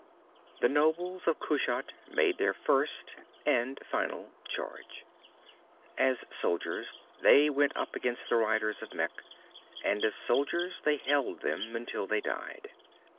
The nobles of Kushat made their first, and final charge. As soldiers they went up against the riders of Mekh, and as soldiers they held them until they died.